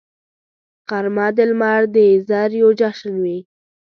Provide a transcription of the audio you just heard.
غرمه د لمر د زریو جشن وي